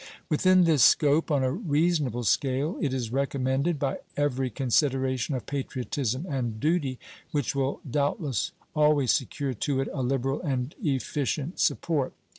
Within this scope, on a reasonable scale, it is recommended by every consideration of patriotism and duty, which will doubtless always secure to it a liberal and efficient support.